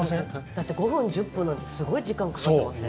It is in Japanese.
だって５分、１０分なんてすごい時間かかってますね。